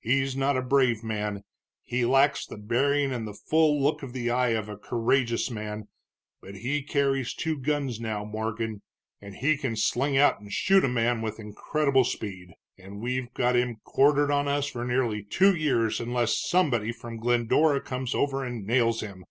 He's not a brave man, he lacks the bearing and the full look of the eye of a courageous man, but he carries two guns now, Morgan, and he can sling out and shoot a man with incredible speed. And we've got him quartered on us for nearly two years unless somebody from Glendora comes over and nails him.